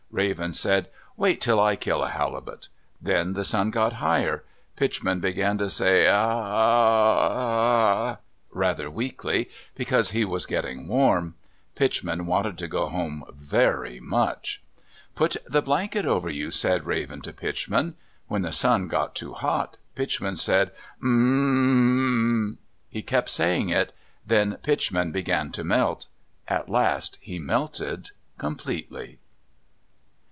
Raven said, "Wait until I kill a halibut." Then the sun got higher. Pitchman began to say "A a a a a," rather weakly, because he was getting warm. Pitchman wanted to go home very much. "Put the blanket over you," said Raven to Pitchman. When the sun got too hot, Pitchman said, "Ummmm!" He kept saying it. Then Pitchman began to melt. At last he melted completely.